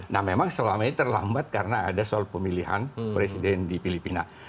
nah memang selama ini terlambat karena ada soal pemilihan presiden di filipina